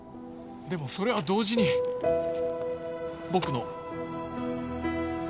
でもそれは同時に僕の。